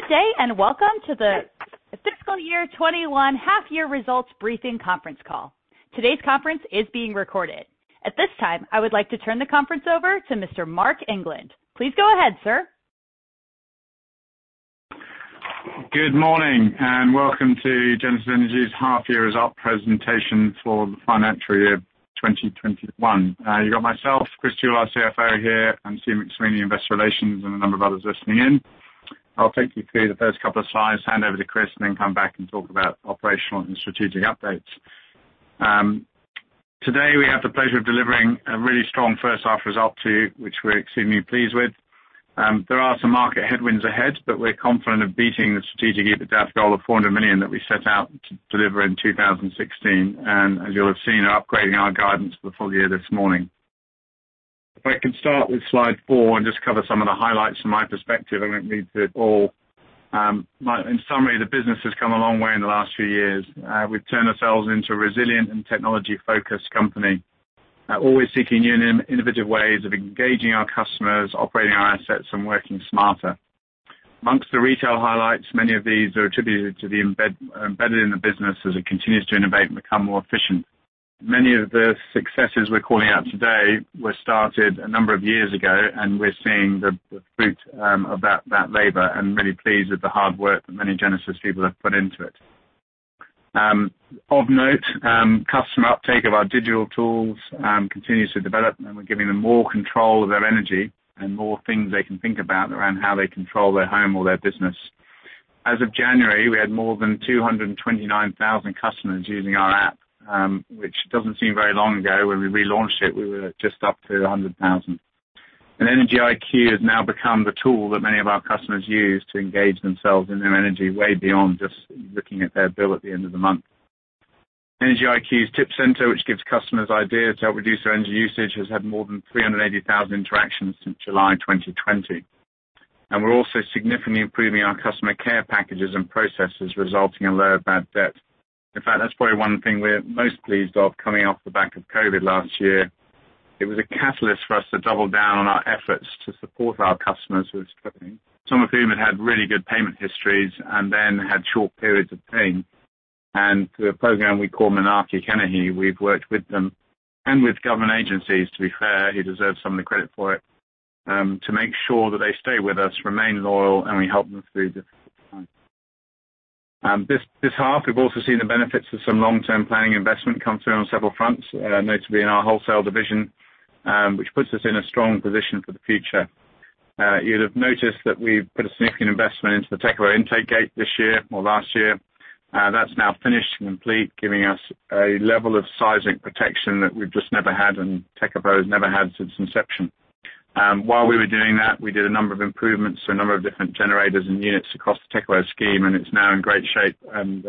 Good day, welcome to the Fiscal Year 2021 Half Year Results Briefing conference call. Today's conference is being recorded. At this time, I would like to turn the conference over to Mr. Marc England. Please go ahead, sir. Good morning, welcome to Genesis Energy's half year result presentation for the financial year 2021. You got myself, Chris Jewell, our CFO here, and Stephen McSweeney, investor relations, and a number of others listening in. I'll take you through the first couple of slides, hand over to Chris, and then come back and talk about operational and strategic updates. Today, we have the pleasure of delivering a really strong first half result too, which we're extremely pleased with. There are some market headwinds ahead, we're confident of beating the strategic EBITDAF goal of 400 million that we set out to deliver in 2016. As you'll have seen, upgrading our guidance for the full year this morning. If I can start with slide four and just cover some of the highlights from my perspective, I won't read through it all. The business has come a long way in the last few years. We've turned ourselves into a resilient and technology-focused company. Always seeking new and innovative ways of engaging our customers, operating our assets, and working smarter. Amongst the retail highlights, many of these are attributed to being embedded in the business as it continues to innovate and become more efficient. Many of the successes we're calling out today were started a number of years ago, and we're seeing the fruit of that labor, and really pleased with the hard work that many Genesis people have put into it. Of note, customer uptake of our digital tools continues to develop, and we're giving them more control of their energy and more things they can think about around how they control their home or their business. As of January, we had more than 229,000 customers using our app, which doesn't seem very long ago. When we relaunched it, we were at just up to 100,000. Energy IQ has now become the tool that many of our customers use to engage themselves in their energy way beyond just looking at their bill at the end of the month. Energy IQ's Tip Center, which gives customers ideas to help reduce their energy usage, has had more than 380,000 interactions since July 2020. We're also significantly improving our customer care packages and processes, resulting in lower bad debt. In fact, that's probably one thing we're most pleased of coming off the back of COVID last year. It was a catalyst for us to double down on our efforts to support our customers who were struggling, some of whom had had really good payment histories and then had short periods of paying. Through a program we call Manaaki Tangata, we've worked with them, and with government agencies, to be fair, who deserve some of the credit for it, to make sure that they stay with us, remain loyal, and we help them through difficult times. This half, we've also seen the benefits of some long-term planning investment come through on several fronts, notably in our wholesale division, which puts us in a strong position for the future. You'd have noticed that we've put a significant investment into the Tekapo Intake Gate this year or last year. That's now finished and complete, giving us a level of seismic protection that we've just never had and Tekapo's never had since inception. While we were doing that, we did a number of improvements to a number of different generators and units across the Tekapo scheme, it's now in great shape and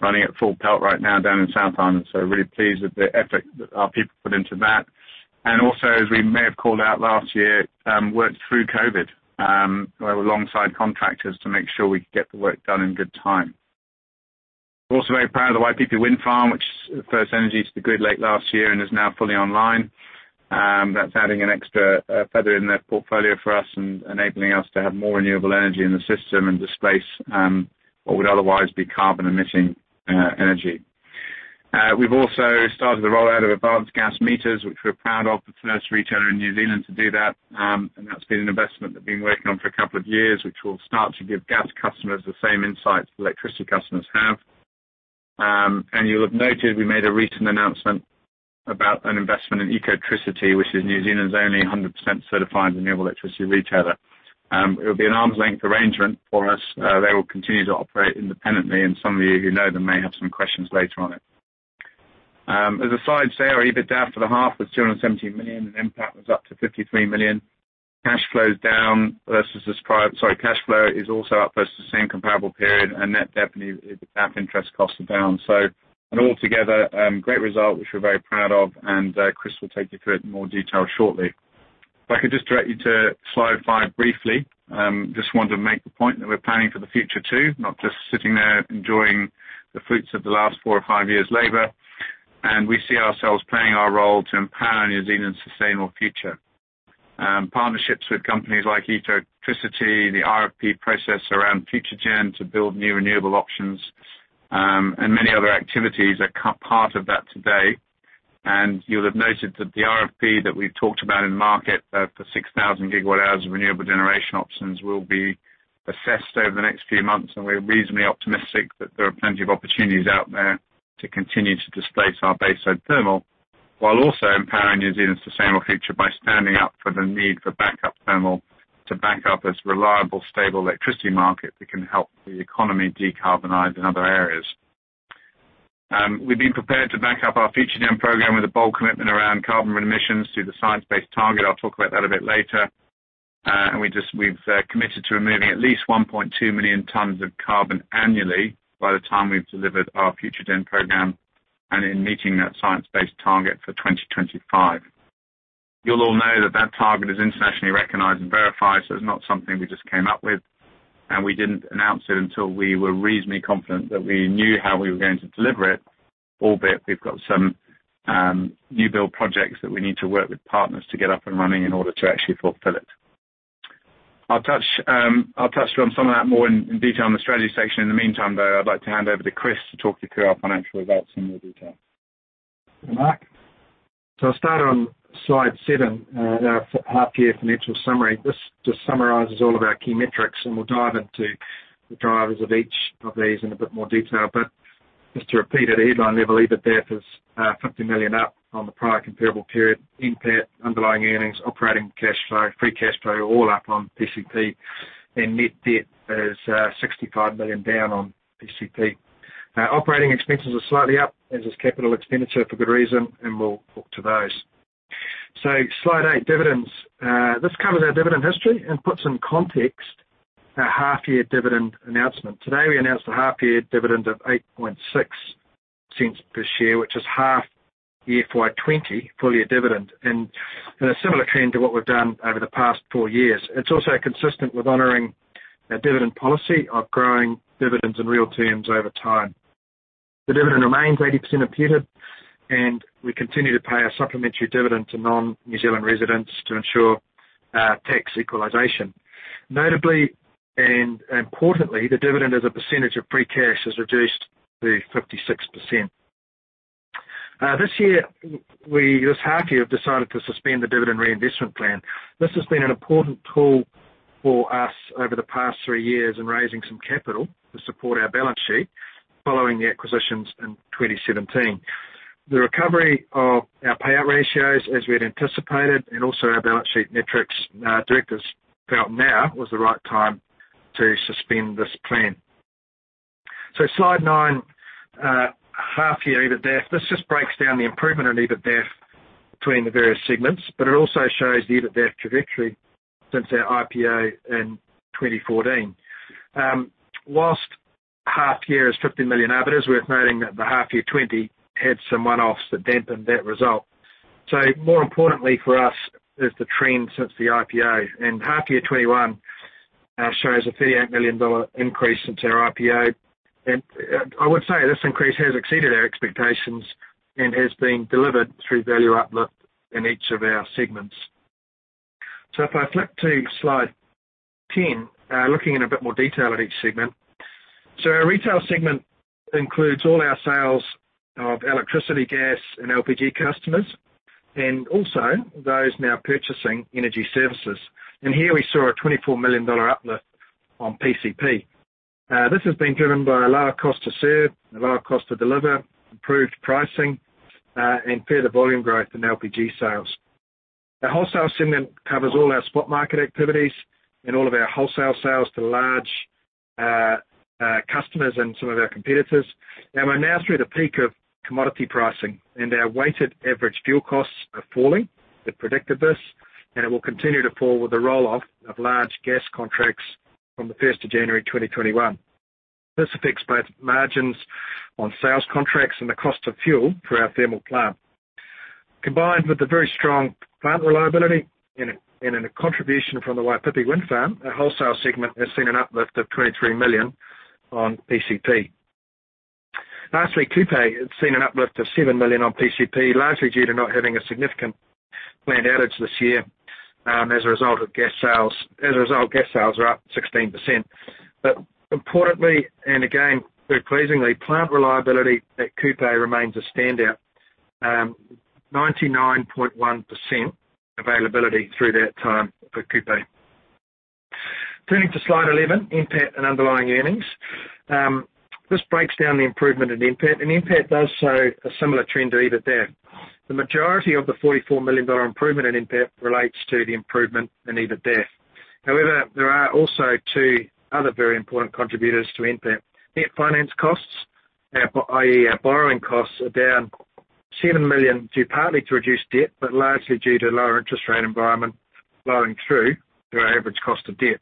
running at full pelt right now down in South Island. Really pleased with the effort that our people put into that. Also, as we may have called out last year, worked through COVID. We were alongside contractors to make sure we could get the work done in good time. We're also very proud of the Waipipi Wind Farm, which first energized the grid late last year and is now fully online. That's adding an extra feather in the portfolio for us and enabling us to have more renewable energy in the system and displace what would otherwise be carbon-emitting energy. We've also started the rollout of advanced gas meters, which we're proud of, the first retailer in New Zealand to do that. That's been an investment they've been working on for a couple of years, which will start to give gas customers the same insights electricity customers have. You'll have noted we made a recent announcement about an investment in Ecotricity, which is New Zealand's only 100% certified renewable electricity retailer. It will be an arm's length arrangement for us. They will continue to operate independently, and some of you who know them may have some questions later on it. As a side say, our EBITDAF for the half was 217 million, and NPAT was up to 53 million. Cash flow is also up versus the same comparable period, and net debt and EBITDAF interest costs are down. In all together, great result, which we're very proud of, and Chris will take you through it in more detail shortly. If I could just direct you to slide five briefly. Just wanted to make the point that we're planning for the future too, not just sitting there enjoying the fruits of the last four or five years' labor. We see ourselves playing our role to empower New Zealand's sustainable future. Partnerships with companies like Ecotricity, the RFP process around Future-gen to build new renewable options, and many other activities are part of that today. You'll have noted that the RFP that we've talked about in the market for 6,000 GWh of renewable generation options will be assessed over the next few months, and we're reasonably optimistic that there are plenty of opportunities out there to continue to displace our base of thermal, while also empowering New Zealand's sustainable future by standing up for the need for backup thermal to back up this reliable, stable electricity market that can help the economy decarbonize in other areas. We've been prepared to back up our Future-gen program with a bold commitment around carbon emissions through the science-based target. I'll talk about that a bit later. We've committed to removing at least 1.2 million tons of carbon annually by the time we've delivered our Future-gen program and in meeting that science-based target for 2025. You'll all know that that target is internationally recognized and verified, so it's not something we just came up with, and we didn't announce it until we were reasonably confident that we knew how we were going to deliver it. We've got some new build projects that we need to work with partners to get up and running in order to actually fulfill it. I'll touch on some of that more in detail in the strategy section. In the meantime, though, I'd like to hand over to Chris to talk you through our financial results in more detail. Thank you, Marc. I'll start on slide seven, our half year financial summary. This just summarizes all of our key metrics, and we'll dive into the drivers of each of these in a bit more detail. Just to repeat at a headline level, EBITDAF is 50 million up on the prior comparable period. NPAT, underlying earnings, operating cash flow, free cash flow, all up on PCP. Net debt is 65 million down on PCP. Operating expenses are slightly up, as is capital expenditure for good reason, and we'll talk to those. Slide eight, dividends. This covers our dividend history and puts in context our half year dividend announcement. Today we announced a half year dividend of 0.086 per share, which is half FY 2020 full year dividend, and in a similar trend to what we've done over the past four years. It's also consistent with honoring our dividend policy of growing dividends in real terms over time. The dividend remains 80% imputed, and we continue to pay a supplementary dividend to non-New Zealand residents to ensure tax equalization. Notably, and importantly, the dividend as a percentage of free cash has reduced to 56%. This year, we, this half year, have decided to suspend the dividend reinvestment plan. This has been an important tool for us over the past three years in raising some capital to support our balance sheet following the acquisitions in 2017. The recovery of our payout ratios as we had anticipated and also our balance sheet metrics, directors felt now was the right time to suspend this plan. Slide nine, half year EBITDAF. This just breaks down the improvement in EBITDAF between the various segments, but it also shows the EBITDAF trajectory since our IPO in 2014. Whilst half year is 50 million, it is worth noting that the half year 2020 had some one-offs that dampened that result. More importantly for us is the trend since the IPO. Half year 2021 shows a 38 million dollar increase since our IPO. I would say this increase has exceeded our expectations and has been delivered through value uplift in each of our segments. If I flip to slide 10, looking in a bit more detail at each segment. Our retail segment includes all our sales of electricity, gas, and LPG customers, and also those now purchasing energy services. Here we saw a 24 million dollar uplift on PCP. This has been driven by a lower cost to serve, a lower cost to deliver, improved pricing, and further volume growth in LPG sales. The wholesale segment covers all our spot market activities and all of our wholesale sales to large customers and some of our competitors. We're now through the peak of commodity pricing, and our weighted average fuel costs are falling. We predicted this, it will continue to fall with the roll-off of large gas contracts from the first of January 2021. This affects both margins on sales contracts and the cost of fuel for our thermal plant. Combined with the very strong plant reliability and in a contribution from the Waipipi Wind Farm, our wholesale segment has seen an uplift of 23 million on PCP. Lastly, Kupe has seen an uplift of 7 million on PCP, largely due to not having a significant planned outage this year as a result of gas sales. As a result, gas sales are up 16%. Importantly, and again, very pleasingly, plant reliability at Kupe remains a standout, 99.1% availability through that time for Kupe. Turning to slide 11, NPAT and underlying earnings. This breaks down the improvement in NPAT, and NPAT does show a similar trend to EBITDAF. The majority of the 44 million dollar improvement in NPAT relates to the improvement in EBITDAF. However, there are also two other very important contributors to NPAT. Net finance costs, i.e., our borrowing costs, are down 7 million, due partly to reduced debt but largely due to lower interest rate environment flowing through to our average cost of debt.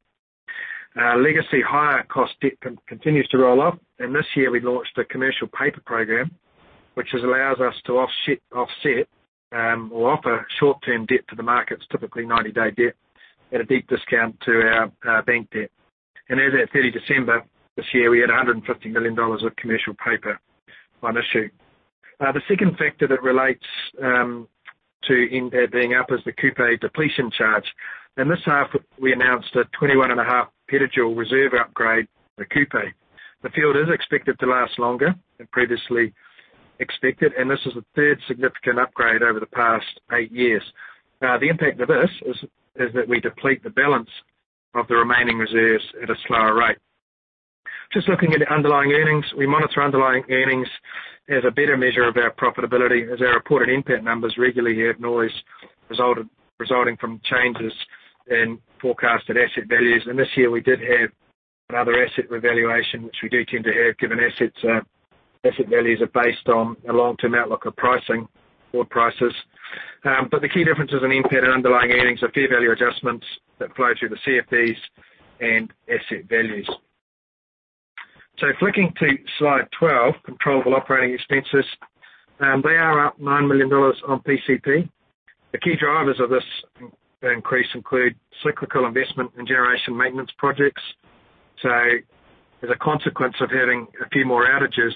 Legacy higher cost debt continues to roll off, and this year we launched a commercial paper program, which allows us to offset or offer short-term debt to the markets, typically 90-day debt, at a deep discount to our bank debt. As at December 30 this year, we had 150 million dollars of commercial paper on issue. The second factor that relates to NPAT being up is the Kupe depletion charge. In this half, we announced a 21.5 petajoule reserve upgrade for Kupe. The field is expected to last longer than previously expected, this is the third significant upgrade over the past eight years. The impact of this is that we deplete the balance of the remaining reserves at a slower rate. Just looking at underlying earnings, we monitor underlying earnings as a better measure of our profitability as our reported NPAT numbers regularly have noise resulting from changes in forecasted asset values. This year we did have another asset revaluation, which we do tend to have given asset values are based on a long-term outlook of pricing or prices. The key differences in NPAT and underlying earnings are fair value adjustments that flow through the CFDs and asset values. Flicking to slide 12, controllable operating expenses. They are up 9 million dollars on PCP. The key drivers of this increase include cyclical investment in generation maintenance projects. As a consequence of having a few more outages,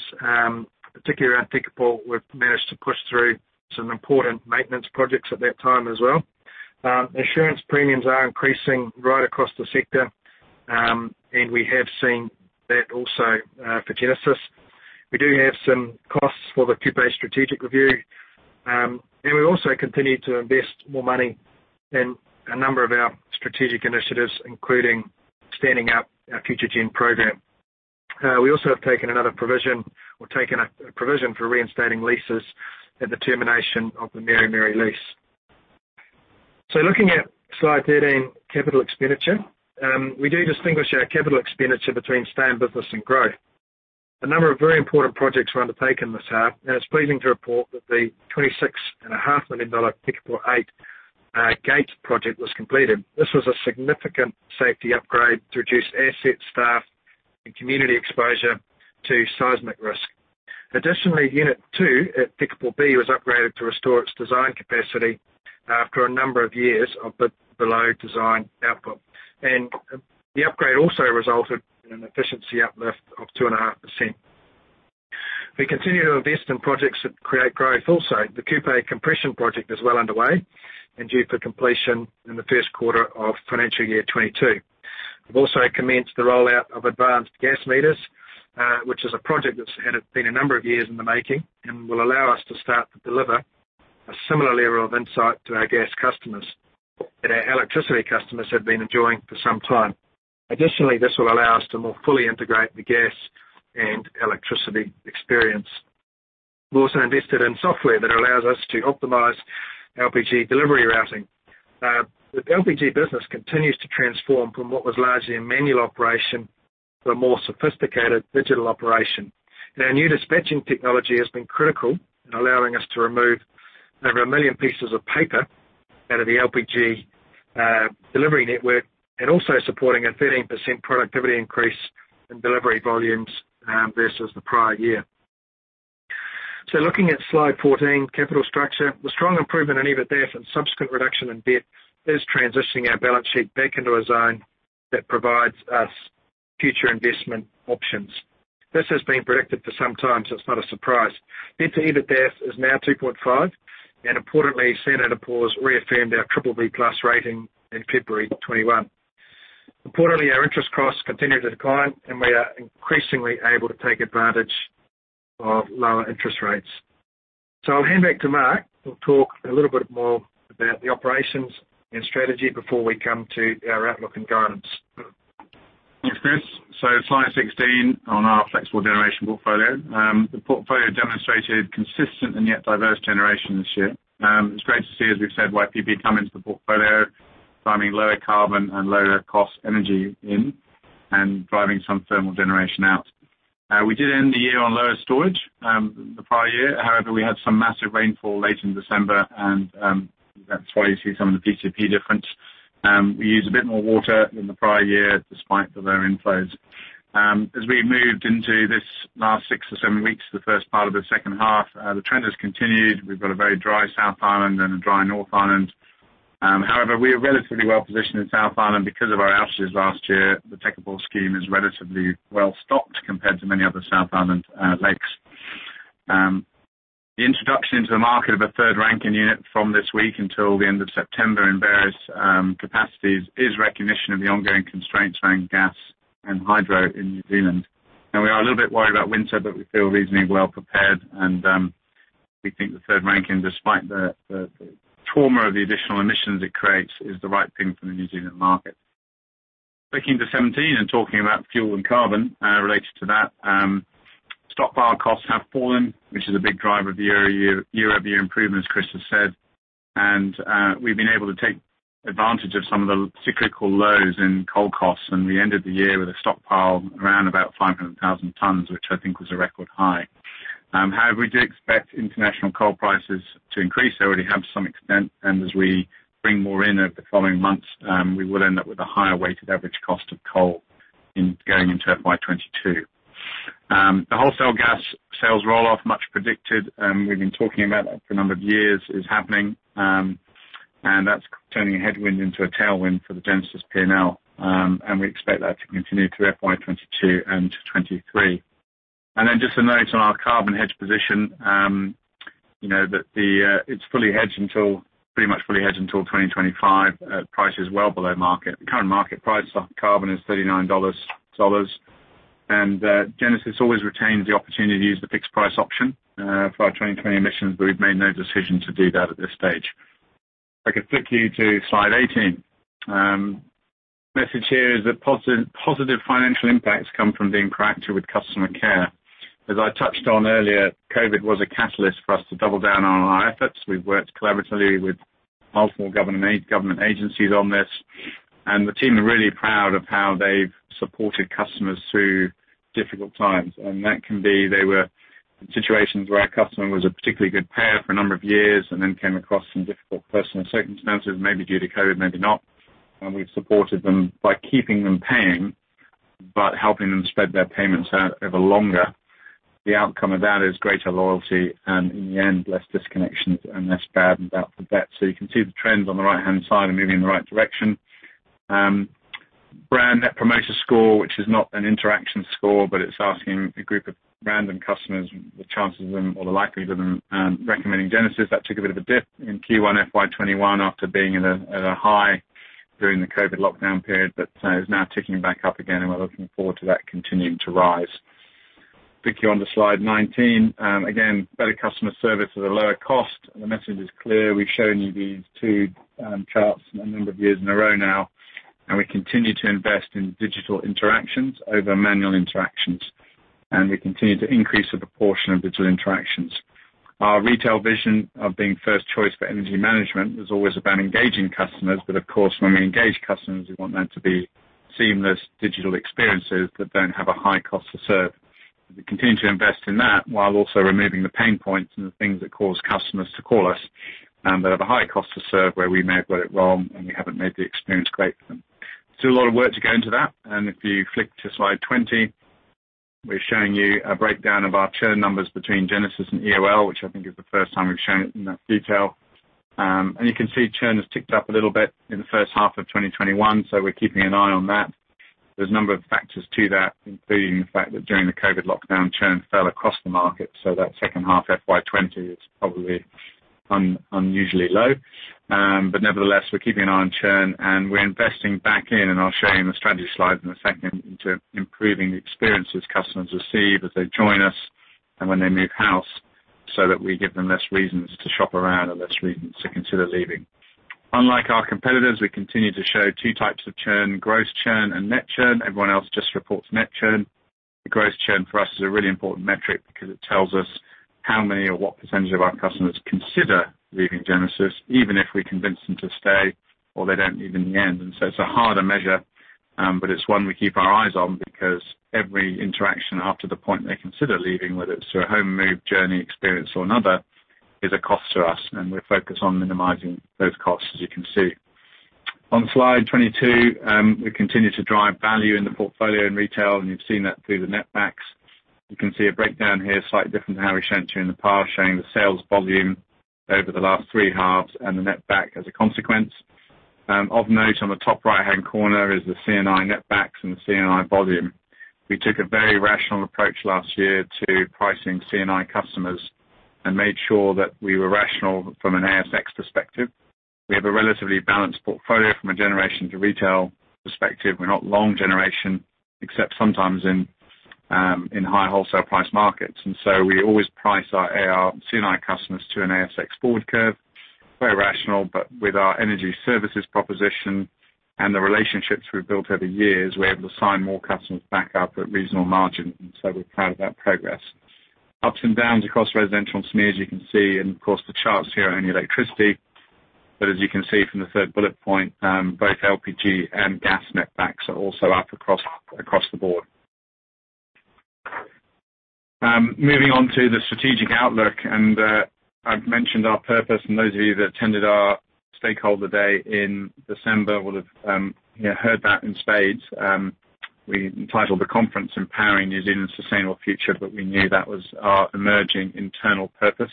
particularly around Tekapo, we've managed to push through some important maintenance projects at that time as well. Insurance premiums are increasing right across the sector, and we have seen that also for Genesis. We do have some costs for the Kupe strategic review. We also continue to invest more money in a number of our strategic initiatives, including standing up our Future-gen program. We also have taken another provision, or taken a provision for reinstating leases at the termination of the Meremere lease. Looking at slide 13, capital expenditure. We do distinguish our capital expenditure between staying business and growth. A number of very important projects were undertaken this half, and it's pleasing to report that the NZD 26.5 million Tekapo A gates project was completed. This was a significant safety upgrade to reduce asset staff and community exposure to seismic risk. Additionally, unit 2 at Tekapo B was upgraded to restore its design capacity after a number of years of below design output. The upgrade also resulted in an efficiency uplift of 2.5%. We continue to invest in projects that create growth also. The Kupe compression project is well underway and due for completion in the first quarter of FY 2022. We've also commenced the rollout of advanced gas meters, which is a project that's been a number of years in the making and will allow us to start to deliver a similar level of insight to our gas customers that our electricity customers have been enjoying for some time. Additionally, this will allow us to more fully integrate the gas and electricity experience. We also invested in software that allows us to optimize LPG delivery routing. The LPG business continues to transform from what was largely a manual operation to a more sophisticated digital operation. Our new dispatching technology has been critical in allowing us to remove over a million pieces of paper out of the LPG delivery network and also supporting a 13% productivity increase in delivery volumes versus the prior year. Looking at slide 14, capital structure. The strong improvement in EBITDAF and subsequent reduction in debt is transitioning our balance sheet back into a zone that provides us future investment options. It's not a surprise. Debt to EBITDAF is now 2.5, importantly, Standard & Poor's reaffirmed our BBB+ rating in February 2021. Importantly, our interest costs continue to decline, we are increasingly able to take advantage of lower interest rates. I'll hand back to Marc, who will talk a little bit more about the operations and strategy before we come to our outlook and guidance. Thanks, Chris. Slide 16 on our flexible generation portfolio. The portfolio demonstrated consistent and yet diverse generation this year. It is great to see, as we have said, Waipipi come into the portfolio driving lower carbon and lower cost energy in and driving some thermal generation out. We did end the year on lower storage the prior year. However, we had some massive rainfall late in December, and that is why you see some of the PCP difference. We used a bit more water than the prior year despite the lower inflows. As we moved into this last six or seven weeks, the first part of the second half, the trend has continued. We have got a very dry South Island and a dry North Island. However, we are relatively well-positioned in South Island because of our outages last year. The Tekapo scheme is relatively well stocked compared to many other South Island lakes. The introduction into the market of a third Rankine unit from this week until the end of September in various capacities is recognition of the ongoing constraints around gas and hydro in New Zealand. We are a little bit worried about winter, but we feel reasonably well prepared, and we think the third Rankine, despite the trauma of the additional emissions it creates, is the right thing for the New Zealand market. Clicking to 17 and talking about fuel and carbon related to that. Stockpile costs have fallen, which is a big driver of year-over-year improvement, as Chris has said. We've been able to take advantage of some of the cyclical lows in coal costs and we ended the year with a stockpile around about 500,000 tons, which I think was a record high. However, we do expect international coal prices to increase. They already have to some extent, and as we bring more in over the following months, we will end up with a higher weighted average cost of coal going into FY 2022. The wholesale gas sales roll-off much predicted, and we've been talking about that for a number of years, is happening. That's turning a headwind into a tailwind for the Genesis P&L, and we expect that to continue through FY 2022 and to 2023. Then just a note on our carbon hedge position, that it's pretty much fully hedged until 2025 at prices well below market. The current market price of carbon is 39 dollars. Genesis always retains the opportunity to use the fixed price option for our 2020 emissions, but we've made no decision to do that at this stage. If I could flick you to slide 18. Message here is that positive financial impacts come from being proactive with customer care. As I touched on earlier, COVID was a catalyst for us to double down on our efforts. We've worked collaboratively with multiple government agencies on this, and the team are really proud of how they've supported customers through difficult times. That can be they were in situations where a customer was a particularly good payer for a number of years and then came across some difficult personal circumstances, maybe due to COVID, maybe not. We've supported them by keeping them paying, but helping them spread their payments out over longer. The outcome of that is greater loyalty and in the end, less disconnections and less bad and doubtful debt. You can see the trends on the right-hand side are moving in the right direction. Brand Net Promoter Score, which is not an interaction score, but it's asking a group of random customers the chances of them or the likelihood of them recommending Genesis. That took a bit of a dip in Q1 FY 2021 after being at a high during the COVID lockdown period, but is now ticking back up again, and we're looking forward to that continuing to rise. Flick you on to slide 19. Again, better customer service at a lower cost. The message is clear. We've shown you these two charts a number of years in a row now, and we continue to invest in digital interactions over manual interactions, and we continue to increase the proportion of digital interactions. Our retail vision of being first choice for energy management is always about engaging customers, but of course, when we engage customers, we want them to be seamless digital experiences that don't have a high cost to serve. We continue to invest in that while also removing the pain points and the things that cause customers to call us that have a high cost to serve where we may have got it wrong and we haven't made the experience great for them. Still a lot of work to go into that. If you flick to slide 20, we're showing you a breakdown of our churn numbers between Genesis and EOL, which I think is the first time we've shown it in that detail. You can see churn has ticked up a little bit in the first half of 2021, so we're keeping an eye on that. There's a number of factors to that, including the fact that during the COVID lockdown, churn fell across the market. That second half FY 2020 is probably unusually low. Nevertheless, we're keeping an eye on churn, and we're investing back in, and I'll show you in the strategy slide in a second, into improving the experiences customers receive as they join us and when they move house, so that we give them less reasons to shop around and less reasons to consider leaving. Unlike our competitors, we continue to show two types of churn, gross churn and net churn. Everyone else just reports net churn. The gross churn for us is a really important metric because it tells us how many or what percentage of our customers consider leaving Genesis, even if we convince them to stay or they don't leave in the end. It's a harder measure, but it's one we keep our eyes on because every interaction after the point they consider leaving, whether it's through a home move journey experience or another, is a cost to us, and we're focused on minimizing those costs, as you can see. On slide 22, we continue to drive value in the portfolio in retail, you've seen that through the net backs. You can see a breakdown here, slightly different to how we've shown it to you in the past, showing the sales volume over the last three halves and the net back as a consequence. Of note on the top right-hand corner is the C&I net backs and the C&I volume. We took a very rational approach last year to pricing C&I customers and made sure that we were rational from an ASX perspective. We have a relatively balanced portfolio from a generation to retail perspective. We're not long generation except sometimes in high wholesale price markets. We always price our C&I customers to an ASX forward curve. Very rational, but with our energy services proposition and the relationships we've built over years, we're able to sign more customers back up at reasonable margin. We're proud of that progress. Ups and downs across residential and SME, as you can see. Of course, the charts here are only electricity. As you can see from the third bullet point, both LPG and gas net backs are also up across the board. Moving on to the strategic outlook. I've mentioned our purpose, and those of you that attended our stakeholder day in December will have heard that in spades. We entitled the conference Empowering New Zealand's Sustainable Future, we knew that was our emerging internal purpose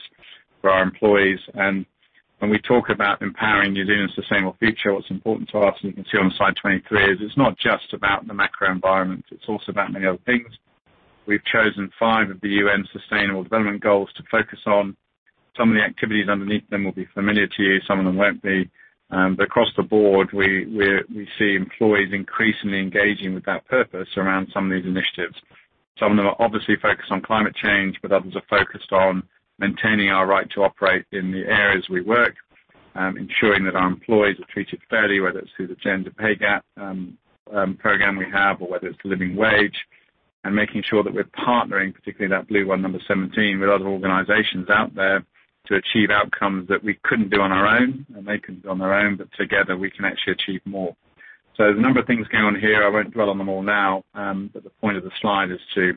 for our employees. When we talk about empowering New Zealand's sustainable future, what's important to us, and you can see on slide 23, is it's not just about the macro environment, it's also about many other things. We've chosen five of the UN sustainable development goals to focus on. Some of the activities underneath them will be familiar to you, some of them won't be. Across the board, we see employees increasingly engaging with that purpose around some of these initiatives. Some of them are obviously focused on climate change, but others are focused on maintaining our right to operate in the areas we work, ensuring that our employees are treated fairly, whether it's through the gender pay gap program we have or whether it's the living wage, and making sure that we're partnering, particularly that blue one, number 17, with other organizations out there to achieve outcomes that we couldn't do on our own and they couldn't do on their own, but together we can actually achieve more. There's a number of things going on here. I won't dwell on them all now. The point of the slide is to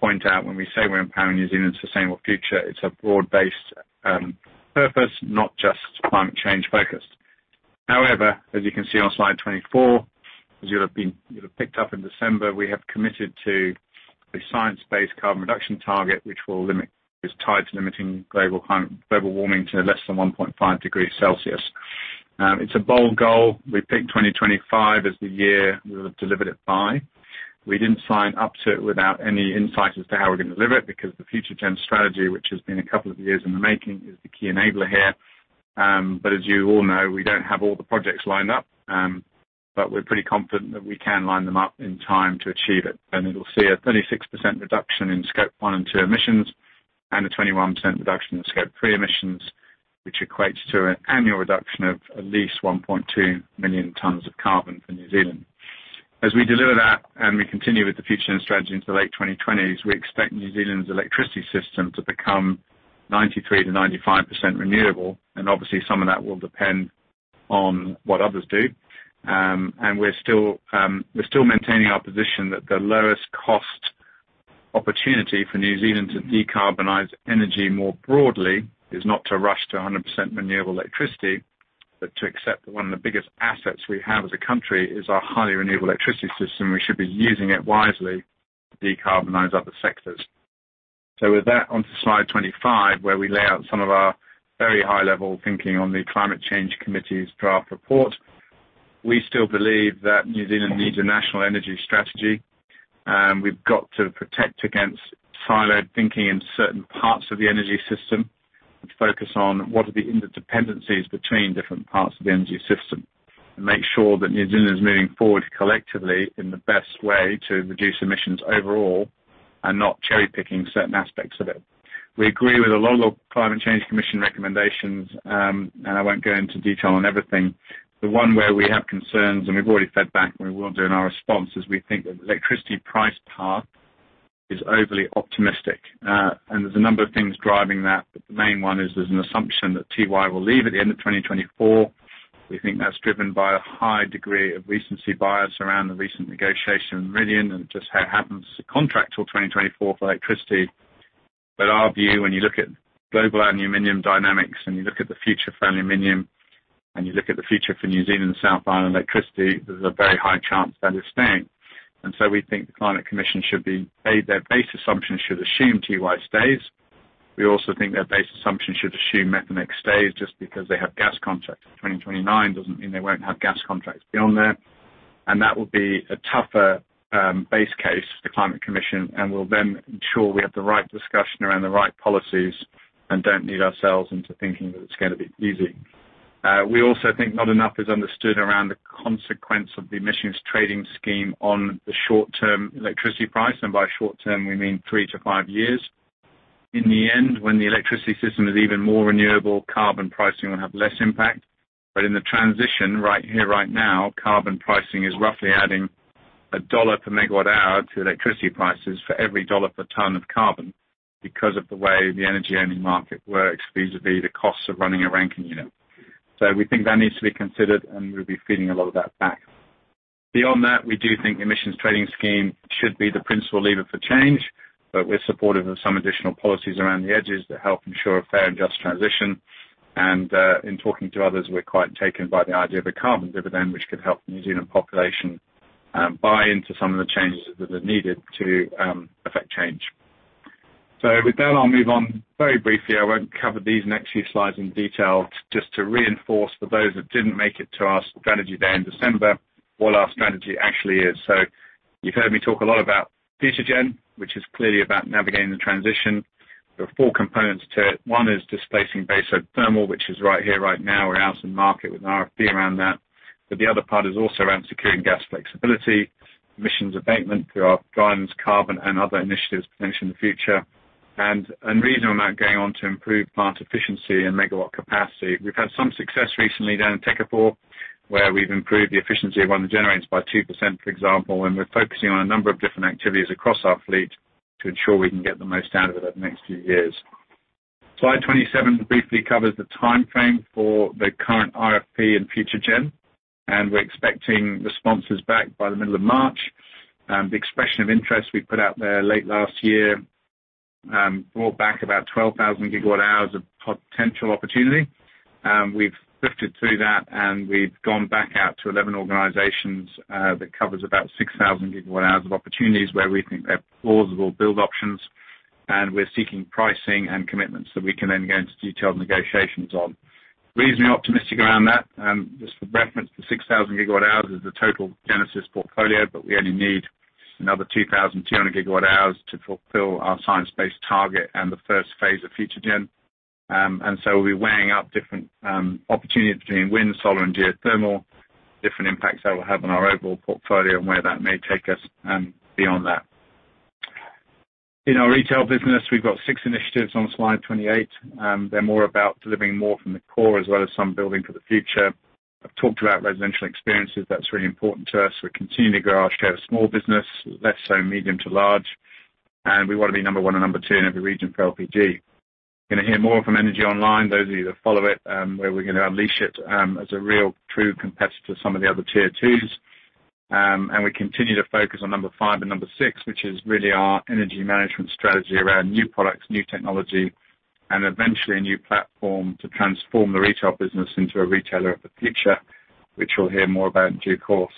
point out when we say we're empowering New Zealand's sustainable future, it's a broad-based purpose, not just climate change focused. As you can see on slide 24, as you'll have picked up in December, we have committed to a science-based carbon reduction target, which is tied to limiting global warming to less than 1.5 degrees Celsius. It's a bold goal. We picked 2025 as the year we'll have delivered it by. We didn't sign up to it without any insight as to how we're going to deliver it, because the Future-gen strategy, which has been a couple of years in the making, is the key enabler here. As you all know, we don't have all the projects lined up, but we're pretty confident that we can line them up in time to achieve it. It will see a 36% reduction in Scope 1 and 2 emissions and a 21% reduction in Scope 3 emissions, which equates to an annual reduction of at least 1.2 million tons of carbon for New Zealand. As we deliver that and we continue with the Future-gen strategy into the late 2020s, we expect New Zealand's electricity system to become 93%-95% renewable. Obviously, some of that will depend on what others do. We are still maintaining our position that the lowest cost opportunity for New Zealand to decarbonize energy more broadly is not to rush to 100% renewable electricity, but to accept that one of the biggest assets we have as a country is our highly renewable electricity system, we should be using it wisely to decarbonize other sectors. With that, on to slide 25, where we lay out some of our very high-level thinking on the Climate Change Commission's draft report. We still believe that New Zealand needs a national energy strategy. We've got to protect against siloed thinking in certain parts of the energy system, and focus on what are the interdependencies between different parts of the energy system, and make sure that New Zealand is moving forward collectively in the best way to reduce emissions overall, and not cherry-picking certain aspects of it. We agree with a lot of Climate Change Commission recommendations, and I won't go into detail on everything. The one where we have concerns, and we've already fed back and we will do in our response, is we think that the electricity price path is overly optimistic. There's a number of things driving that, but the main one is there's an assumption that Tiwai will leave at the end of 2024. We think that's driven by a high degree of recency bias around the recent negotiation with Meridian, and it just so happens to contract till 2024 for electricity. Our view, when you look at global aluminum dynamics, and you look at the future for aluminum, and you look at the future for New Zealand and South Island electricity, there's a very high chance they'll be staying. We think the Climate Commission should be A, their base assumption should assume Tiwai stays. We also think their base assumption should assume Methanex stays. Just because they have gas contracts until 2029 doesn't mean they won't have gas contracts beyond that. That will be a tougher base case for Climate Commission and will then ensure we have the right discussion around the right policies and don't lead ourselves into thinking that it's going to be easy. We also think not enough is understood around the consequence of the Emissions Trading Scheme on the short-term electricity price, and by short-term, we mean three to five years. In the end, when the electricity system is even more renewable, carbon pricing will have less impact. In the transition right here, right now, carbon pricing is roughly adding NZD 1 per MWh to electricity prices for every NZD 1 per ton of carbon because of the way the energy-only market works vis-a-vis the costs of running a Rankine unit. We think that needs to be considered, and we'll be feeding a lot of that back. Beyond that, we do think emissions trading scheme should be the principal lever for change, but we're supportive of some additional policies around the edges that help ensure a fair and just transition. In talking to others, we're quite taken by the idea of a carbon dividend which could help the New Zealand population buy into some of the changes that are needed to affect change. With that, I'll move on very briefly. I won't cover these next few slides in detail. Just to reinforce for those that didn't make it to our strategy day in December, what our strategy actually is. You've heard me talk a lot about Future-gen, which is clearly about navigating the transition. There are four components to it. One is displacing baseload thermal, which is right here, right now. We're out in market with an RFP around that. The other part is also around securing gas flexibility, emissions abatement through our guidance, carbon, and other initiatives to mention in the future, and a reasonable amount going on to improve plant efficiency and megawatt capacity. We've had some success recently down in Tekapo, where we've improved the efficiency of one of the generators by 2%, for example, and we're focusing on a number of different activities across our fleet to ensure we can get the most out of it over the next few years. Slide 27 briefly covers the timeframe for the current RFP and FutureGen, and we're expecting responses back by the middle of March. The expression of interest we put out there late last year brought back about 12,000 GWh of potential opportunity. We've sifted through that, and we've gone back out to 11 organizations. That covers about 6,000 GWh of opportunities where we think they're plausible build options. We're seeking pricing and commitments that we can then go into detailed negotiations on. Reasonably optimistic around that. Just for reference, the 6,000 GWh is the total Genesis portfolio, but we only need another 2,200 GWh to fulfill our science-based target and the first phase of Future-gen. We'll be weighing up different opportunities between wind, solar, and geothermal, different impacts that will have on our overall portfolio, and where that may take us beyond that. In our retail business, we've got six initiatives on slide 28. They're more about delivering more from the core as well as some building for the future. I've talked about residential experiences. That's really important to us. We're continuing to grow our share of small business, less so medium to large. We want to be number one or number two in every region for LPG. Going to hear more from Energy Online, those of you that follow it, where we're going to unleash it as a real true competitor to some of the other tier 2s. We continue to focus on number five and number six, which is really our energy management strategy around new products, new technology, and eventually a new platform to transform the retail business into a retailer of the future, which we'll hear more about in due course.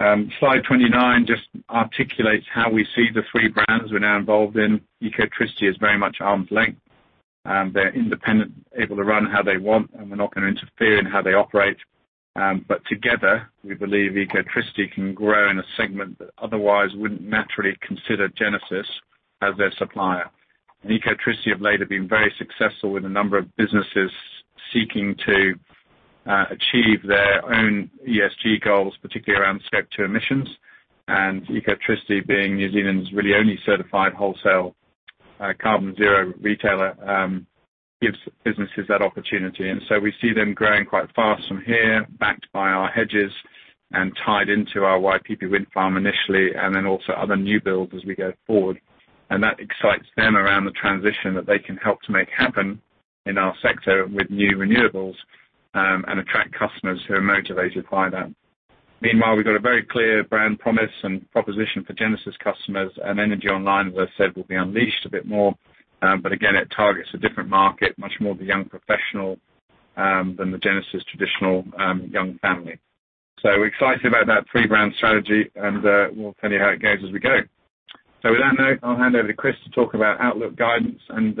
Slide 29 just articulates how we see the three brands we're now involved in. Ecotricity is very much arm's length. They're independent, able to run how they want, and we're not going to interfere in how they operate. Together, we believe Ecotricity can grow in a segment that otherwise wouldn't naturally consider Genesis as their supplier. Ecotricity have later been very successful with a number of businesses seeking to achieve their own ESG goals, particularly around Scope 2 emissions. Ecotricity being New Zealand's really only certified wholesale carbon zero retailer gives businesses that opportunity. We see them growing quite fast from here, backed by our hedges and tied into our Waipipi Wind Farm initially, and then also other new builds as we go forward. That excites them around the transition that they can help to make happen in our sector with new renewables, and attract customers who are motivated by that. Meanwhile, we've got a very clear brand promise and proposition for Genesis customers, and Energy Online, as I said, will be unleashed a bit more. Again, it targets a different market, much more of a young professional than the Genesis traditional young family. We're excited about that three-brand strategy, and we'll tell you how it goes as we go. With that note, I'll hand over to Chris to talk about outlook guidance and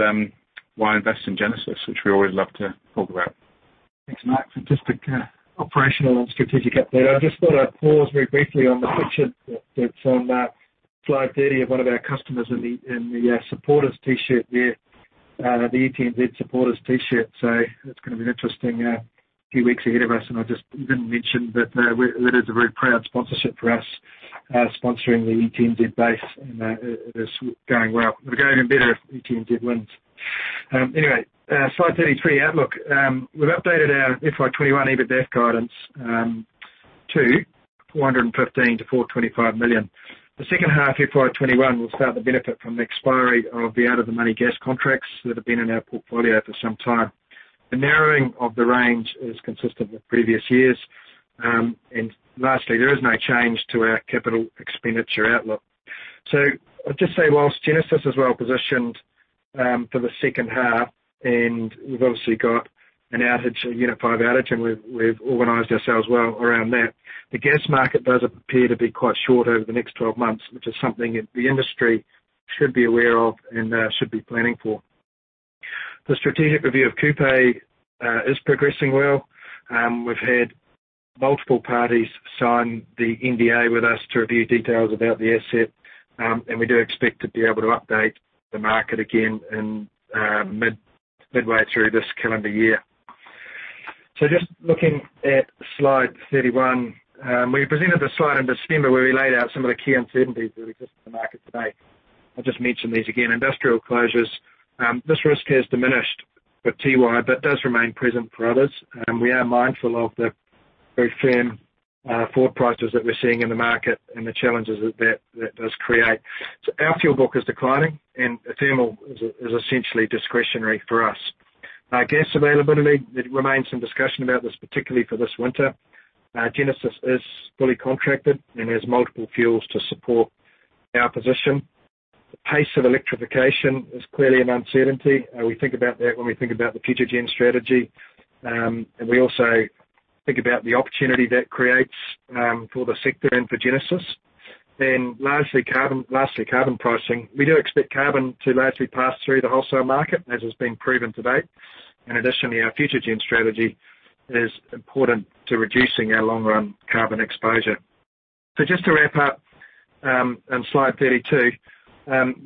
why invest in Genesis, which we always love to talk about. Thanks, Marc. For just the operational and strategic update. I just want to pause very briefly on the picture that's on slide 30 of one of our customers in the supporters t-shirt there, the ETNZ supporters t-shirt. That's going to be an interesting few weeks ahead of us, and I just didn't mention, but that is a very proud sponsorship for us, sponsoring the ETNZ base, and it is going well. It'll go even better if ETNZ wins. Anyway, slide 33, outlook. We've updated our FY 2021 EBITDAF guidance to 415 million-425 million. The second half FY 2021 will start to benefit from the expiry of the out-of-the-money gas contracts that have been in our portfolio for some time. The narrowing of the range is consistent with previous years. Lastly, there is no change to our capital expenditure outlook. I'll just say, whilst Genesis is well-positioned for the second half, and we've obviously got an outage, a Unit 5 outage, and we've organized ourselves well around that. The gas market does appear to be quite short over the next 12 months, which is something that the industry should be aware of and should be planning for. The strategic review of Kupe is progressing well. We've had multiple parties sign the NDA with us to review details about the asset, and we do expect to be able to update the market again in midway through this calendar year. Just looking at slide 31. We presented this slide in December where we laid out some of the key uncertainties that exist in the market today. I'll just mention these again. Industrial closures. This risk has diminished for Tiwai but does remain present for others. We are mindful of the very firm forward prices that we're seeing in the market and the challenges that those create. Our fuel book is declining, and thermal is essentially discretionary for us. Gas availability, there remains some discussion about this, particularly for this winter. Genesis is fully contracted and has multiple fuels to support our position. The pace of electrification is clearly an uncertainty. We think about that when we think about the Future-gen strategy. We also think about the opportunity that creates for the sector and for Genesis. Lastly, carbon pricing. We do expect carbon to largely pass through the wholesale market, as has been proven to date. In addition to our Future-gen strategy, it is important to reducing our long-run carbon exposure. Just to wrap up, slide 32.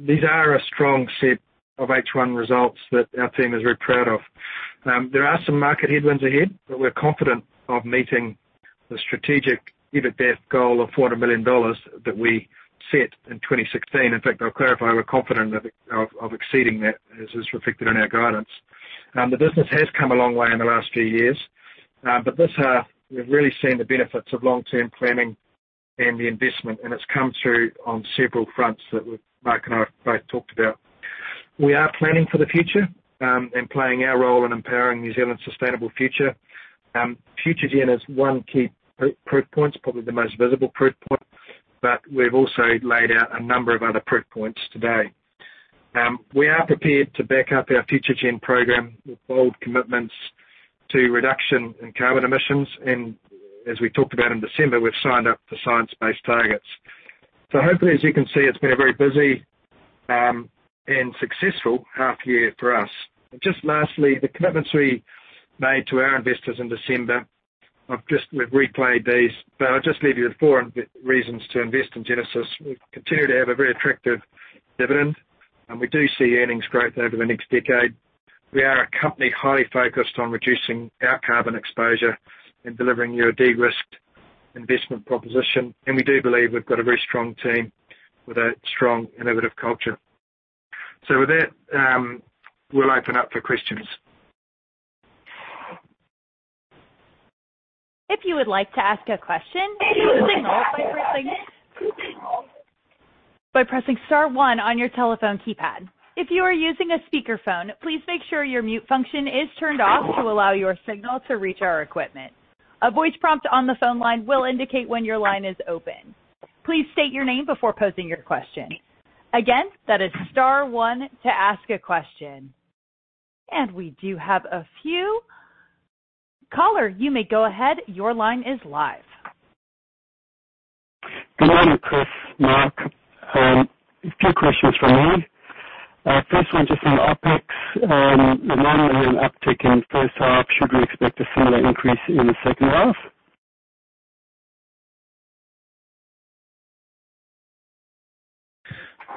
These are a strong set of H1 results that our team is very proud of. There are some market headwinds ahead, but we're confident of meeting the strategic EBITDAF goal of 400 million dollars that we set in 2016. In fact, I'll clarify, we're confident of exceeding that, as is reflected in our guidance. The business has come a long way in the last few years. This half, we've really seen the benefits of long-term planning and the investment, and it's come through on several fronts that Marc and I both talked about. We are planning for the future and playing our role in empowering New Zealand's sustainable future. Future-gen is one key proof point, probably the most visible proof point, but we've also laid out a number of other proof points today. We are prepared to back up our Future-gen program with bold commitments to reduction in carbon emissions, and as we talked about in December, we've signed up for science-based target. Hopefully, as you can see, it's been a very busy and successful half year for us. Just lastly, the commitments we made to our investors in December, we've replayed these. I'll just leave you with four reasons to invest in Genesis. We continue to have a very attractive dividend, and we do see earnings growth over the next decade. We are a company highly focused on reducing our carbon exposure and delivering you a de-risked investment proposition. We do believe we've got a very strong team with a strong innovative culture. With that, we'll open up for questions. If you would like to ask a question, please signal by pressing star one on your telephone keypad. If you are using a speakerphone, please make sure your mute function is turned off to allow your signal to reach our equipment. A voice prompt on the phone line will indicate when your line is open. Please state your name before posing your question. Again, that is star one to ask a question. We do have a few. Caller, you may go ahead. Your line is live. Good morning, Chris, Marc. A few questions from me. First one, just on OpEx. The NZD 1 million in uptick in first half, should we expect a similar increase in the second half?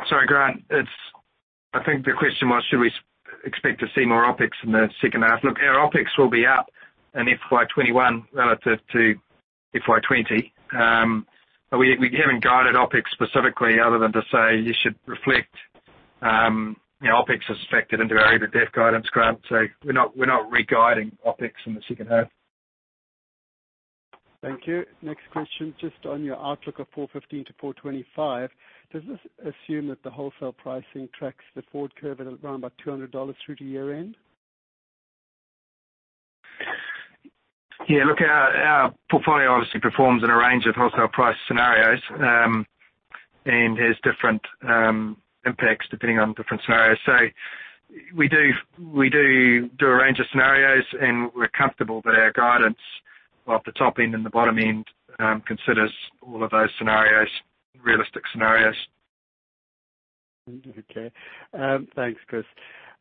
Sorry, Grant. I think the question was, should we expect to see more OpEx in the second half? Look, our OpEx will be up in FY 2021 relative to FY 2020. We haven't guided OpEx specifically other than to say you should reflect OpEx as factored into our EBITDAF guidance, Grant. We're not re-guiding OpEx in the second half. Thank you. Next question, just on your outlook of 415-425. Does this assume that the wholesale pricing tracks the forward curve at around about 200 dollars through to year-end? Yeah. Look, our portfolio obviously performs in a range of wholesale price scenarios, and has different impacts depending on different scenarios. We do a range of scenarios, and we're comfortable that our guidance, while at the top end and the bottom end, considers all of those realistic scenarios. Okay. Thanks, Chris.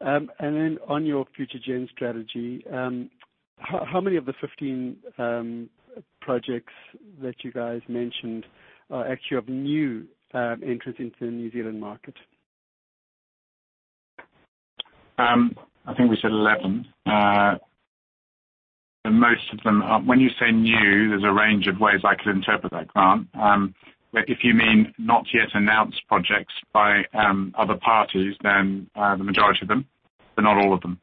On your Future-gen strategy, how many of the 15 projects that you guys mentioned are actually of new interest into the New Zealand market? I think we said 11. Most of them are. When you say new, there's a range of ways I could interpret that, Grant. If you mean not yet announced projects by other parties, then the majority of them, but not all of them.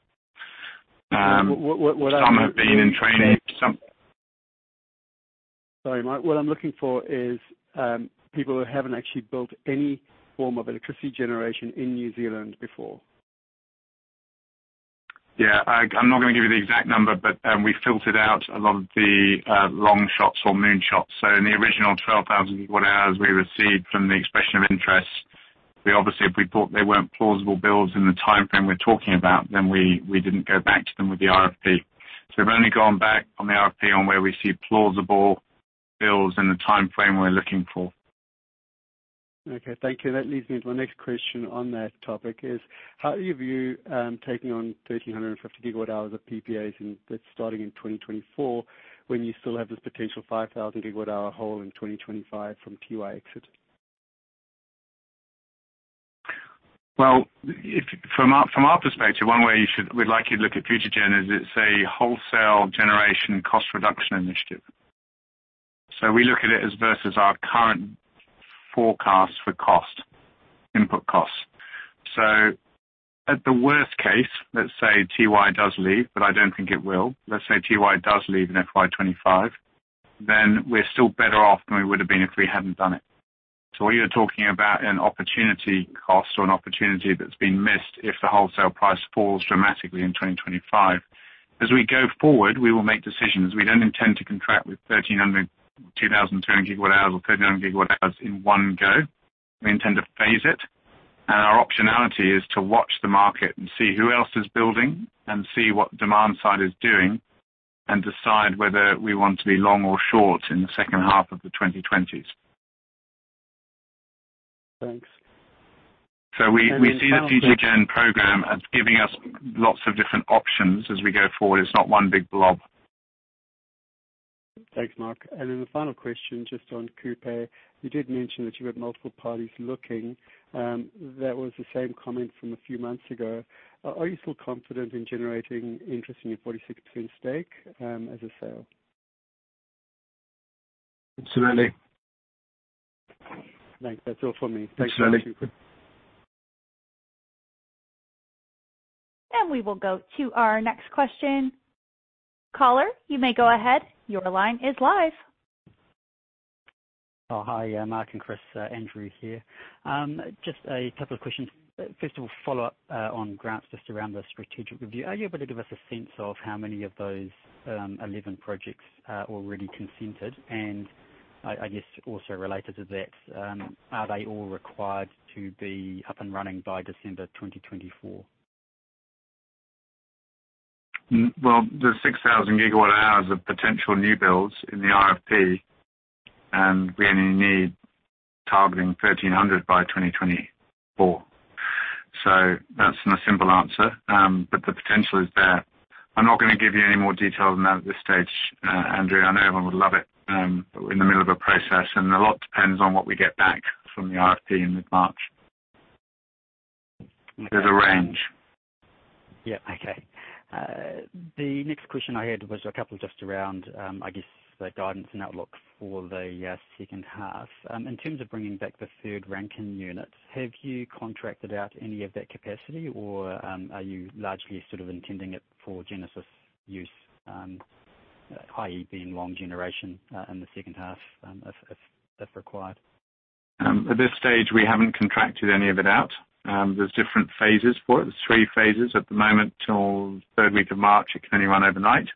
Sorry, Marc. What I'm looking for is people who haven't actually built any form of electricity generation in New Zealand before. Yeah. I'm not going to give you the exact number, but we filtered out a lot of the long shots or moon shots. In the original 12,000 GWh we received from the expression of interest, obviously, if we thought they weren't plausible builds in the timeframe we're talking about, then we didn't go back to them with the RFP. We've only gone back on the RFP on where we see plausible builds in the timeframe we're looking for. Okay, thank you. That leads me into my next question on that topic is, how are you view taking on 1,350 GWh of PPAs and that's starting in 2024, when you still have this potential 5,000 GWh hole in 2025 from Tiwai exit? Well, from our perspective, one way we'd like you to look at Future-gen is it's a wholesale generation cost reduction initiative. We look at it as versus our current forecast for input costs. At the worst case, let's say Tiwai does leave, but I don't think it will. Let's say Tiwai does leave in FY 2025, we're still better off than we would have been if we hadn't done it. You're talking about an opportunity cost or an opportunity that's been missed if the wholesale price falls dramatically in 2025. As we go forward, we will make decisions. We don't intend to contract with 1,300 GWh, 2,200 GWh or 1,300 GWh in one go. We intend to phase it, and our optionality is to watch the market and see who else is building and see what demand side is doing, and decide whether we want to be long or short in the second half of the 2020s. Thanks. We see the Future-gen program as giving us lots of different options as we go forward. It's not one big blob. Thanks, Marc. The final question, just on Kupe. You did mention that you had multiple parties looking. That was the same comment from a few months ago. Are you still confident in generating interest in your 46% stake as a sale? Absolutely. Thanks. That's all for me. Thanks. Absolutely. We will go to our next question. Caller, you may go ahead. Your line is live. Oh, hi, Marc and Chris, Andrew here. Just a couple of questions. First of all, follow up on Grant's, just around the strategic review. Are you able to give us a sense of how many of those 11 projects are already consented and, I guess, also related to that, are they all required to be up and running by December 2024? Well, there's 6,000 GWh of potential new builds in the RFP. We only need targeting 1,300 by 2024. That's the simple answer, but the potential is there. I'm not going to give you any more detail than that at this stage, Andrew. I know everyone would love it. We're in the middle of a process, and a lot depends on what we get back from the RFP in mid-March. There's a range. Yeah. Okay. The next question I had was a couple just around, I guess, the guidance and outlook for the second half. In terms of bringing back the third Rankine units, have you contracted out any of that capacity or are you largely sort of intending it for Genesis use, i.e., being long generation in the second half if required? At this stage, we haven't contracted any of it out. There's different phases for it. There's three phases at the moment till third week of March, it can only run overnight.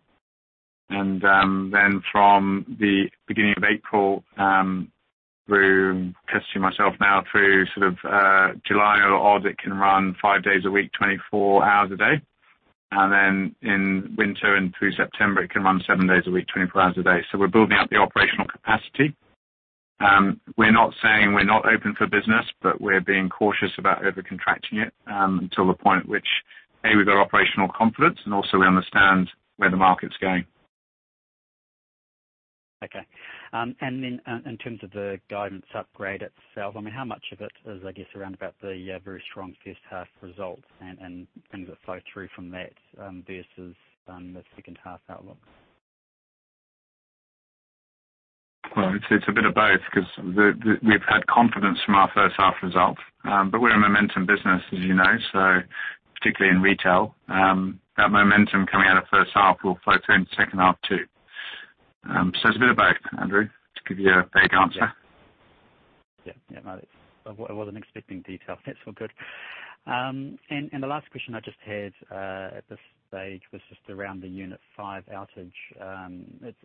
From the beginning of April through, courtesy of myself now through July or August, it can run five days a week, 24 hours a day. In winter and through September, it can run seven days a week, 24 hours a day. We're building up the operational capacity. We're not saying we're not open for business, but we're being cautious about over-contracting it until the point at which, A, we've got operational confidence, and also we understand where the market's going. Okay. Then in terms of the guidance upgrade itself, how much of it is, I guess, around about the very strong first half results and things that flow through from that versus the second half outlook? Well, it's a bit of both because we've had confidence from our first half results. We're a momentum business, as you know, particularly in retail. That momentum coming out of first half will flow through into second half too. It's a bit of both, Andrew, to give you a vague answer. Yeah. I wasn't expecting detail. That's all good. The last question I just had, at this stage, was just around the unit 5 outage.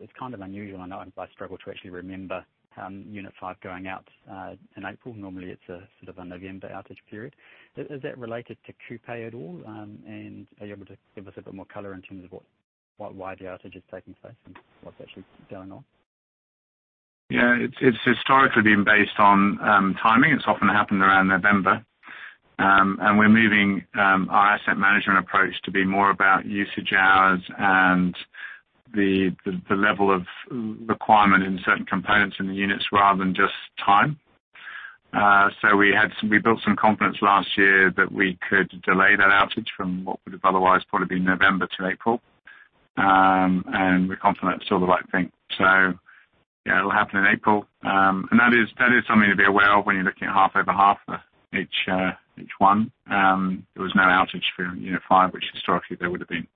It's kind of unusual. I know I struggle to actually remember unit 5 going out, in April. Normally, it's a sort of a November outage period. Is that related to Kupe at all? Are you able to give us a bit more color in terms of why the outage is taking place and what's actually going on? It's historically been based on timing. It's often happened around November. We're moving our asset management approach to be more about usage hours and the level of requirement in certain components in the units, rather than just time. We built some confidence last year that we could delay that outage from what would have otherwise probably been November to April, and we're confident it's still the right thing. It'll happen in April. That is something to be aware of when you're looking at half-over-half for each one. There was no outage for unit 5, which historically there would have been.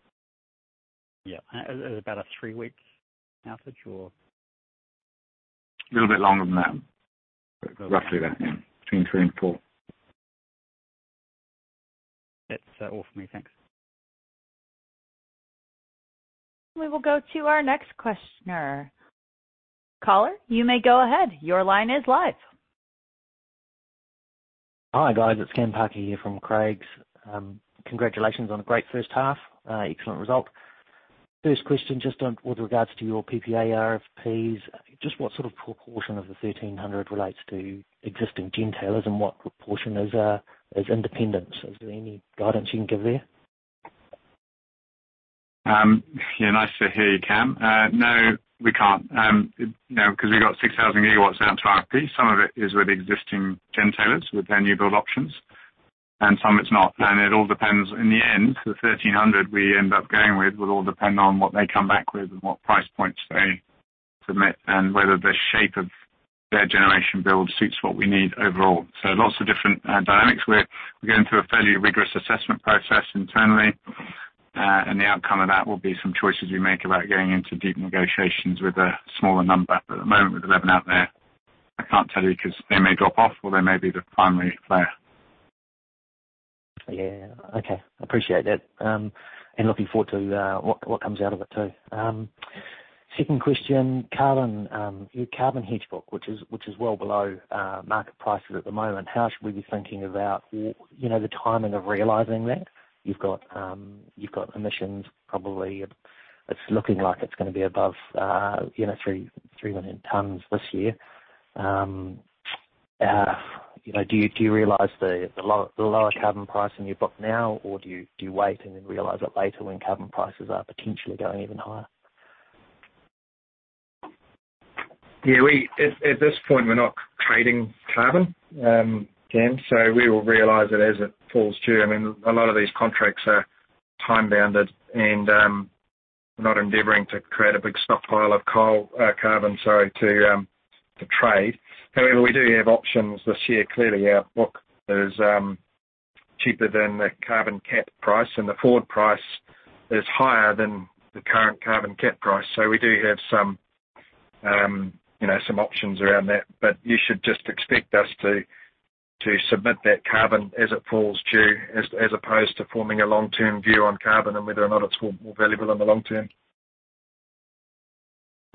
Yeah. Is it about a three-weeks outage or? A little bit longer than that. Roughly that, yeah. Between three and four. That's all for me. Thanks. We will go to our next questioner. Caller, you may go ahead. Your line is live. Hi, guys. It's Cam Parker here from Craigs. Congratulations on a great first half. Excellent result. First question, just on with regards to your PPA RFPs. Just what sort of proportion of the 1,300 relates to existing gentailers, and what proportion is independence? Is there any guidance you can give there? Yeah. Nice to hear you, Cam. No, we can't, because we got 6,000 GW out to RFP. Some of it is with existing gentailers, with their new build options, and some it's not. It all depends, in the end, the 1,300 we end up going with will all depend on what they come back with and what price points they submit, and whether the shape of their generation build suits what we need overall. Lots of different dynamics. We're going through a fairly rigorous assessment process internally. The outcome of that will be some choices we make about going into deep negotiations with a smaller number. At the moment, with 11 out there, I can't tell you, because they may drop off, or they may be the primary player. Yeah. Okay. Appreciate that. Looking forward to what comes out of it, too. Second question. Carbon, your carbon hedge book, which is well below market prices at the moment, how should we be thinking about the timing of realizing that? You've got emissions, probably it's looking like it's going to be above 3 million tonnes this year. Do you realize the lower carbon price in your book now, or do you wait and then realize it later when carbon prices are potentially going even higher? At this point, we're not trading carbon, Cam, so we will realize it as it falls due. I mean, a lot of these contracts are time-bounded, and we're not endeavoring to create a big stockpile of carbon to trade. However, we do have options this year. Clearly, our book is cheaper than the carbon cap price, and the forward price is higher than the current carbon cap price. We do have some options around that. You should just expect us to submit that carbon as it falls due, as opposed to forming a long-term view on carbon and whether or not it's more valuable in the long term.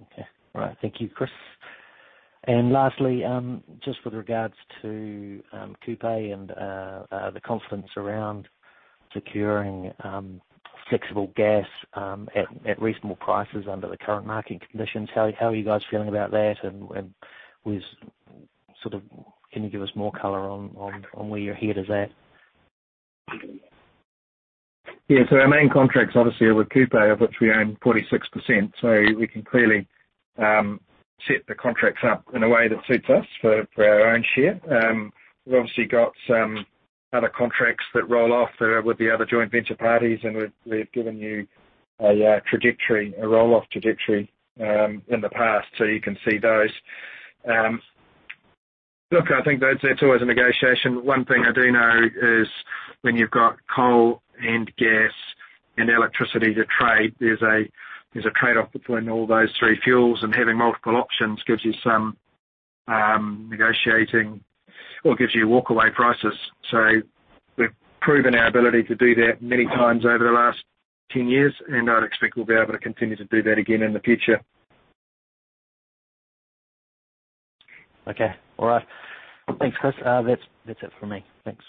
Okay. All right. Thank you, Chris. Lastly, just with regards to Kupe and the confidence around securing flexible gas at reasonable prices under the current market conditions, how are you guys feeling about that, and can you give us more color on where your head is at? Our main contracts obviously are with Kupe, of which we own 46%. We can clearly set the contracts up in a way that suits us for our own share. We've obviously got some other contracts that roll off with the other joint venture parties, and we've given you a roll-off trajectory in the past, so you can see those. Look, I think that's always a negotiation. One thing I do know is when you've got coal and gas and electricity to trade, there's a trade-off between all those three fuels, and having multiple options gives you some negotiating or gives you walk-away prices. We've proven our ability to do that many times over the last 10 years, and I'd expect we'll be able to continue to do that again in the future. Okay. All right. Thanks, Chris. That's it for me. Thanks.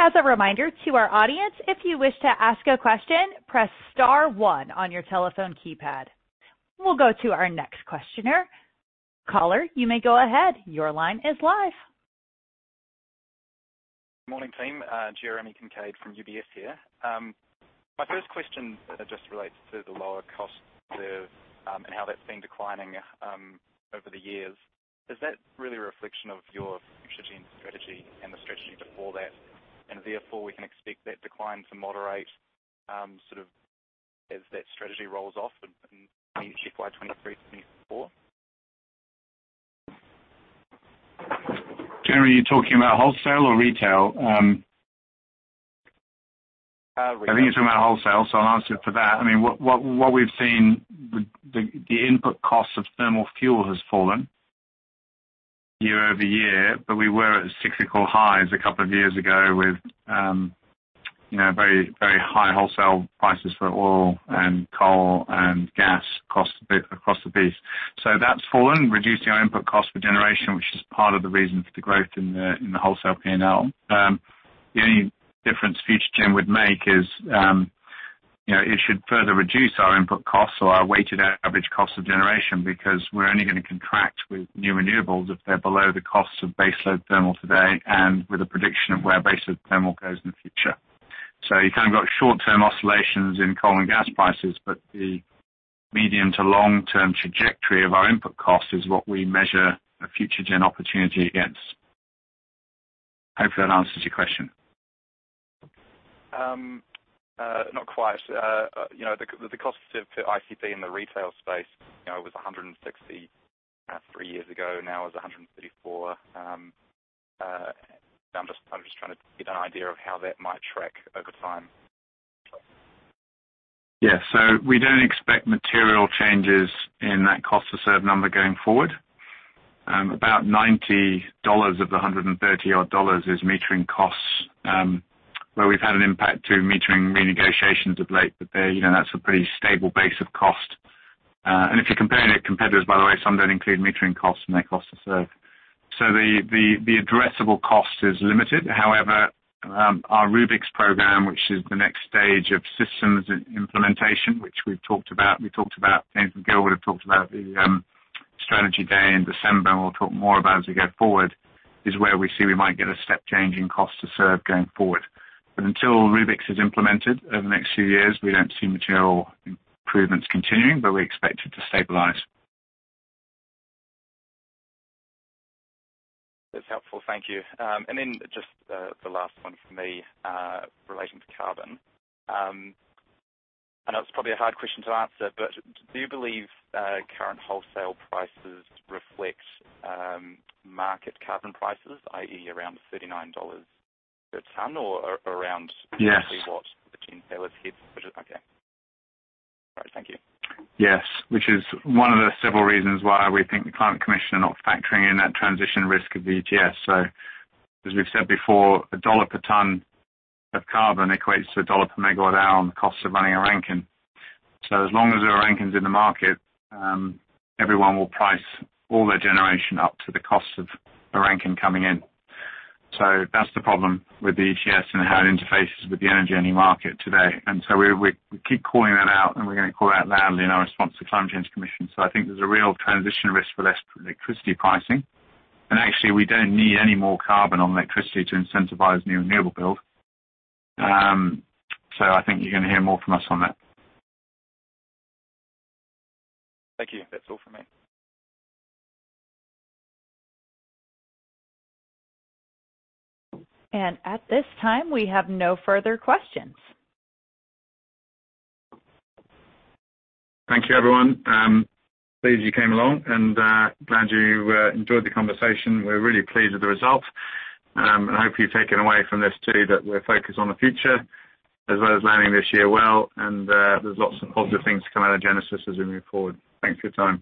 As a reminder to our audience, if you wish to ask a question, press star one on your telephone keypad. We'll go to our next questioner. Caller, you may go ahead. Your line is live. Morning, team. Jeremy Kincade from UBS here. My first question just relates to the lower cost to serve and how that's been declining over the years. Is that really a reflection of your Future-gen strategy and the strategy before that? Therefore, we can expect that decline to moderate as that strategy rolls off in FY 2023, 2024? Jeremy, are you talking about wholesale or retail? Retail. I think you're talking about wholesale, so I'll answer it for that. What we've seen, the input cost of thermal fuel has fallen year-over-year, but we were at cyclical highs a couple of years ago with very high wholesale prices for oil and coal and gas costs across the piece. That's fallen, reducing our input cost for generation, which is part of the reason for the growth in the wholesale P&L. The only difference Future-gen would make is it should further reduce our input costs or our weighted average cost of generation, because we're only going to contract with new renewables if they're below the costs of base load thermal today and with a prediction of where base load thermal goes in the future. You've kind of got short-term oscillations in coal and gas prices, but the medium to long-term trajectory of our input cost is what we measure a Future-gen opportunity against. Hopefully, that answers your question. Not quite. The cost to ICP in the retail space, was 160 three years ago, now is 134. I'm just trying to get an idea of how that might track over time. Yeah. We don't expect material changes in that cost to serve number going forward. About 90 dollars of the 130 dollars odd is metering costs, where we've had an impact to metering renegotiations of late, but that's a pretty stable base of cost. If you're comparing it to competitors, by the way, some don't include metering costs in their cost to serve. The addressable cost is limited. However, our Rubiks program, which is the next stage of systems implementation, which we talked about, James and Gilbert have talked about the strategy day in December, and we'll talk more about as we go forward, is where we see we might get a step change in cost to serve going forward. Until Rubiks is implemented over the next few years, we don't see material improvements continuing, but we expect it to stabilize. That's helpful. Thank you. Then just the last one from me, relating to carbon. I know it's probably a hard question to answer, but do you believe current wholesale prices reflect market carbon prices, i.e., around 39 dollars per ton- Yes. exactly what the retailers hit? Okay. All right. Thank you. Yes. Which is one of the several reasons why we think the Climate Commission are not factoring in that transition risk of the ETS. As we've said before, NZD 1 per ton of carbon equates to NZD 1 per MWh on the cost of running a Rankine. As long as there are Rankines in the market, everyone will price all their generation up to the cost of a Rankine coming in. That's the problem with the ETS and how it interfaces with the energy and the market today. We keep calling that out and we're going to call it out loudly in our response to Climate Change Commission. I think there's a real transition risk for less electricity pricing. Actually, we don't need any more carbon on electricity to incentivize new renewable build. I think you're going to hear more from us on that. Thank you. That's all from me. At this time, we have no further questions. Thank you, everyone. Pleased you came along and glad you enjoyed the conversation. We're really pleased with the result. I hope you've taken away from this too, that we're focused on the future as well as landing this year well, and there's lots of positive things to come out of Genesis as we move forward. Thanks for your time.